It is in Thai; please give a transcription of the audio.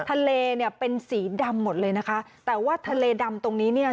ทะเลเนี่ยเป็นสีดำหมดเลยนะคะแต่ว่าทะเลดำตรงนี้เนี่ย